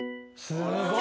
・すごい！